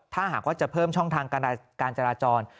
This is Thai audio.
ถ้าหากว่าจะเพิ่มช่องทางการจราจร